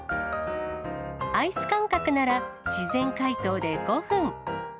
アイス感覚なら、自然解凍で５分。